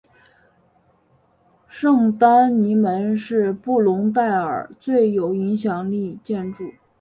圣丹尼门是布隆代尔最有影响力建筑。